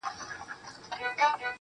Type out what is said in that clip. ستا په لاس کي د گلونو فلسفې ته~